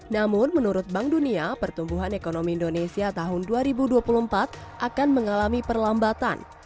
namun menurut bank dunia pertumbuhan ekonomi indonesia tahun dua ribu dua puluh empat akan mengalami perlambatan